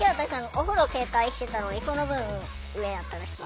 お風呂正解してたのでその分上やったらしい。